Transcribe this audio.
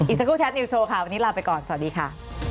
สักครู่แท็ตนิวโชว์ค่ะวันนี้ลาไปก่อนสวัสดีค่ะ